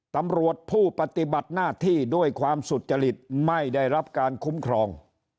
ตำรวจผู้ปฏิบัติหน้าที่ด้วยความสุจริตไม่ได้รับการคุ้มครอง